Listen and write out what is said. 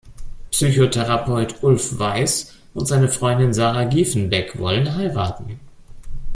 Psychotherapeut Ulf Weiß und seine Freundin Sarah Gievenbeck wollen heiraten.